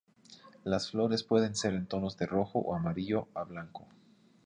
Las flores pueden ser en tonos de rojo o amarillo a blanco.